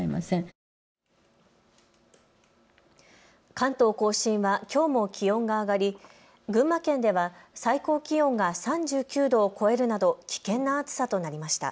関東甲信はきょうも気温が上がり群馬県では最高気温が３９度を超えるなど危険な暑さとなりました。